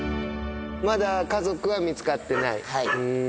まだ家族は見つかってない？